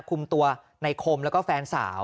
คุมตัวในคมแล้วก็แฟนสาว